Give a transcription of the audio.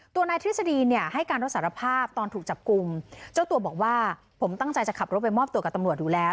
นายทฤษฎีเนี่ยให้การรับสารภาพตอนถูกจับกลุ่มเจ้าตัวบอกว่าผมตั้งใจจะขับรถไปมอบตัวกับตำรวจอยู่แล้ว